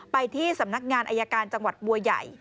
ไปที่สำนักงานอายการจังหวัดบัวใหญ่